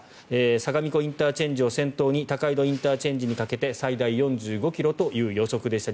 相模湖ＩＣを先頭に高井戸ＩＣにかけて最大４５ｋｍという予測でした。